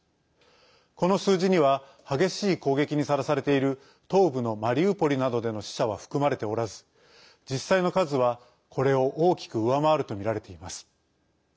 この数字には激しい攻撃にさらされている東部のマリウポリなどでの死者は含まれておらず実際の数は、これを大きく上回るとみられています。